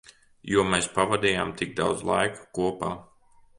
Jo mēs pavadījām tik daudz laika kopā.